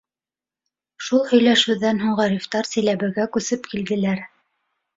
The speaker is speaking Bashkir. Шул һөйләшеүҙән һуң Ғарифтар Силәбегә күсеп килделәр.